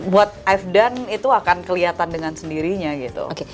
what i've done itu akan kelihatan dengan sendirinya gitu